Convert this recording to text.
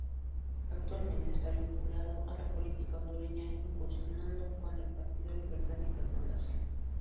Actualmente está vinculado a la política hondureña incursionando con el Partido Libertad y Refundación.